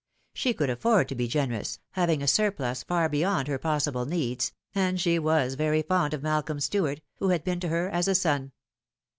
She could afford to be generous, having a surplus far beyond her possible needs, and she was very fond of Malcolm. Stuart, who had been to her as a son.